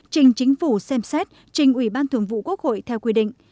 trình chính phủ xem xét trình ủy ban thường vụ quốc hội theo quy định